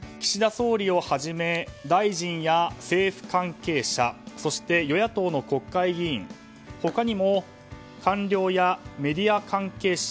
総理をはじめ大臣や政府関係者そして与野党の国会議員他にも、官僚やメディア関係者